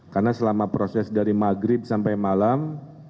karena selama proses dari maghrib sampai malam